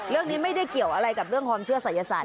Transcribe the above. เรื่องนี้ไม่ได้เกี่ยวอะไรกับเรื่องความเชื่อศัยศาส